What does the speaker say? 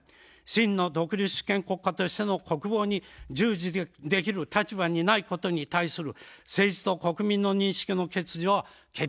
真の独立主権国家としての国防に従事できる立場にないことに対する政治と国民の認識の欠如は決定的であります。